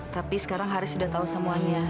tapi sekarang haris sudah tahu semuanya